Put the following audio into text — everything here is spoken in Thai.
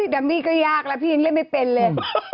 ดัมมี่ก็ยากแล้วพี่ยังเล่นไม่เป็นเลย